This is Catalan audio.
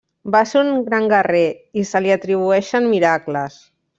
Va ser un gran guerrer i se li atribueixen miracles.